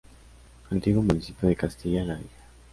Antiguo municipio de Castilla la Vieja.